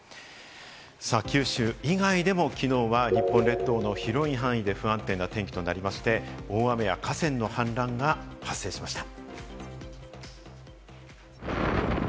九州以外でも、きのうは日本列島の広い範囲で不安定な天気となりまして、大雨や河川の氾濫が発生しました。